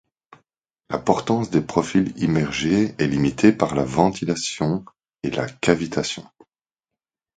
La portance des profils immergés est limitée par la ventilation et la cavitation.